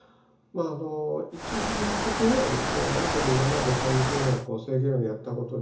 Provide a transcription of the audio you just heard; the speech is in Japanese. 一時的にはある程度今までそういう制限をやったことで